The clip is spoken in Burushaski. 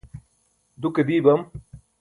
duke dii bam